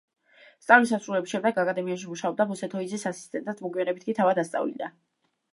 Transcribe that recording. სწავლის დასრულების შემდეგ აკადემიაში მუშაობდა მოსე თოიძის ასისტენტად, მოგვიანებით კი თავად ასწავლიდა.